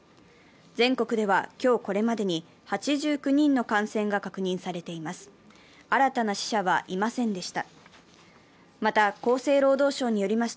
全国では今日これまでに８９人の感染が確認されています。